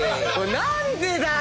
何でだよ！